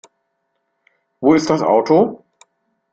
Wo ist das Auto?